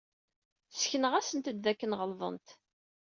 Ssekneɣ-asent-d dakken ɣelḍent.